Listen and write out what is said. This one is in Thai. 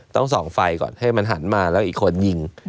ต้องส่องไฟก่อนให้มันหันมาแล้วอีกคนยิง